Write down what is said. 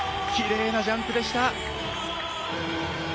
きれいなジャンプでした。